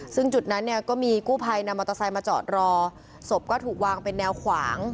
ซึ่งจุดนั้นเนี่ยก็มีกู้ภัยนำมอเตอร์ไซค์มาจอดรอศพก็ถูกวางเป็นแนวขวาง